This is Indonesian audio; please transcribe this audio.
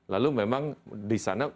lalu memang di sana